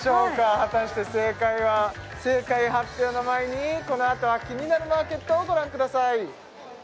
果たして正解はこのあとは「キニナルマーケット」をご覧ください